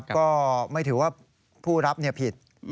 ก็ไม่ถือว่าผู้รับผิด